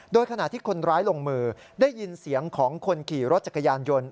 โดยขณะที่คนร้ายลงมือได้ยินเสียงของคนขี่รถจักรยานยนต์